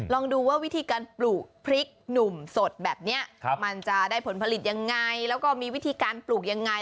ลองดูว่าวิธีการปลูกพริกหนุ่มสดแบบนี้มันจะได้ผลผลิตยังไงแล้วก็มีวิธีการปลูกยังไง